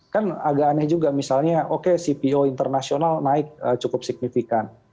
kan agak aneh juga misalnya oke cpo internasional naik cukup signifikan